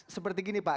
seperti gini pak